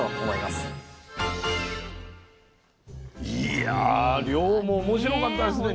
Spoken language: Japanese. いや漁も面白かったですね。